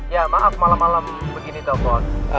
ya maaf malam malam begini toko